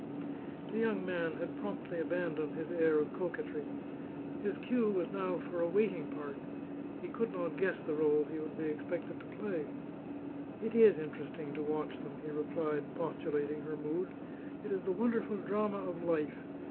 The young man had promptly abandoned his air of coquetry. His cue was now for a waiting part; he could not guess the rôle he would be expected to play. "It IS interesting to watch them," he replied, postulating her mood. "It is the wonderful drama of life.